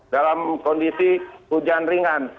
dalam kondisi hujan ringan